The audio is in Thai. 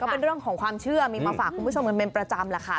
เป็นเรื่องของความเชื่อมีมาฝากคุณผู้ชมกันเป็นประจำแหละค่ะ